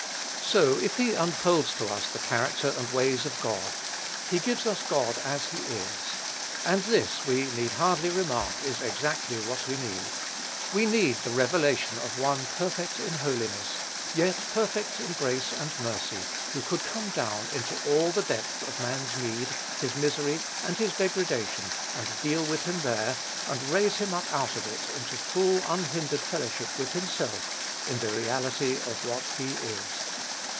So, if he unfolds to us the character and ways of God, he gives us God as he is. And this, we need hardly remark, is exactly what we need. We need the revelation of one perfect in holiness, yet perfect in grace and mercy, who could come down into all the depth of man's need, his misery and his degradation, and deal with him there, and raise him up out of it into full, unhindered fellowship with himself in all the reality of what he is.